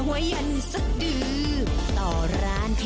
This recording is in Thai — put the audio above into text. โปรดติดตามต่อไป